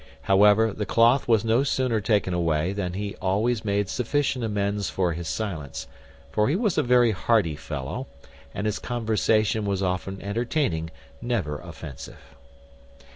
However, the cloth was no sooner taken away, than he always made sufficient amends for his silence: for he was a very hearty fellow; and his conversation was often entertaining, never offensive.